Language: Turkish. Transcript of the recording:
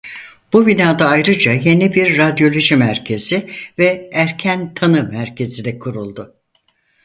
Bu binada ayrıca yeni bir radyoloji merkezi ve Erken Tanı Merkezi de kuruldu.